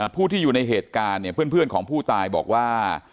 ผู้ที่อยู่ในเหตุการณ์เนี่ยเพื่อนของผู้ตายบอกว่า